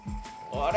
あれ？